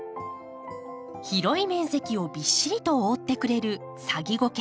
広い面積をびっしりと覆ってくれるサギゴケ。